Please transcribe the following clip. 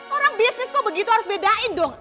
orang bisnis kok begitu harus bedain dong